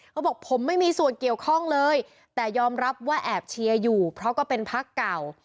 เขาบอกผมไม่มีส่วนเกี่ยวข้องเลยแต่ยอมรับว่าแอบเชียร์อยู่เพราะก็เป็นพักเก่า